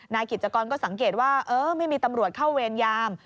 นายกิจกรก็สังเกตว่าไม่มีตำรวจเข้าเวรยาม